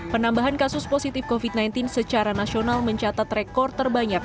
penambahan kasus positif covid sembilan belas secara nasional mencatat rekor terbanyak